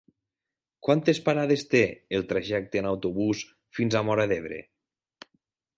Quantes parades té el trajecte en autobús fins a Móra d'Ebre?